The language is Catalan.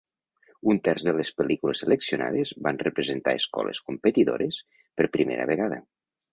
Un terç de les pel·lícules seleccionades van representar escoles competidores per primera vegada.